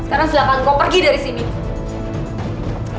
sekarang silahkan kau pergi dari sini